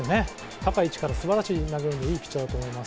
高い位置からすばらしい球を投げるピッチャーだと思います。